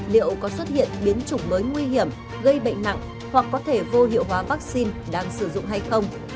liệu có xuất hiện biến chủng mới nguy hiểm gây bệnh nặng hoặc có thể vô hiệu hóa vaccine đang sử dụng hay không